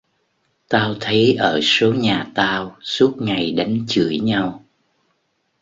tao thấy ở số nhà tao suốt ngày đánh chửi nhau